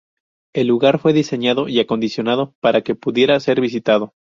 El lugar fue diseñado y acondicionado para que pudiera ser visitado.